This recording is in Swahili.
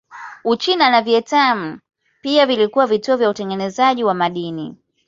Uchina na Vietnam pia vilikuwa vituo vya utengenezaji wa madini.